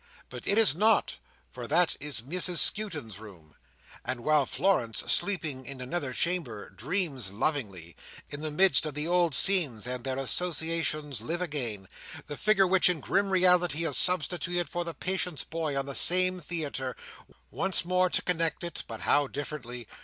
But it is not, for that is Mrs Skewton's room; and while Florence, sleeping in another chamber, dreams lovingly, in the midst of the old scenes, and their old associations live again, the figure which in grim reality is substituted for the patient boy's on the same theatre, once more to connect it—but how differently!